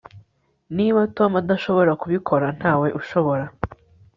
Niba Tom adashobora kubikora ntawe ushobora